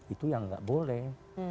itu yang tidak boleh